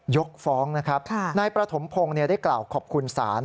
ยกฟ้องนะครับนายประถมพงศ์ได้กล่าวขอบคุณศาล